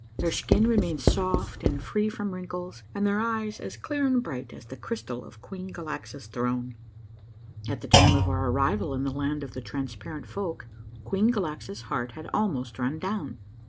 Their skin remains soft and free from wrinkles, and their eyes as clear and bright as the crystal of Queen Galaxa's throne. At the time of our arrival in the Land of the Transparent Folk, Queen Galaxa's heart had almost run down.